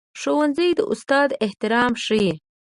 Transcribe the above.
ښوونځی د استاد احترام ښيي